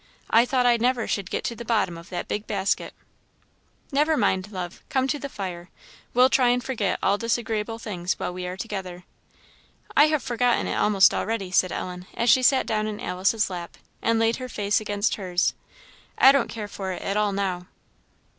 I thought I never should get to the bottom of that big basket." "Never mind, love come to the fire we'll try and forget all disagreeable things while we are together." "I have forgotten it almost already," said Ellen, as she sat down in Alice's lap, and laid her face against hers; "I don't care for it at all now."